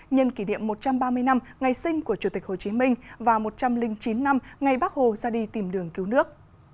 nhân kỷ niệm một trăm ba mươi năm ngày sinh của chủ tịch hồ chí minh và một trăm linh chín năm ngày bác hồ ra đi tìm đường cứu nước